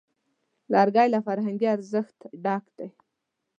لرګی له فرهنګي ارزښت ډک دی.